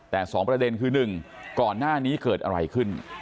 แต่๒ประเด็นคือ๑ก่อนหน้านี้เกิดอะไรขึ้น